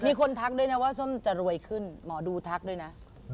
มีคนทักด้วยนะว่าส้มจะรวยขึ้นหมอดูทักด้วยนะ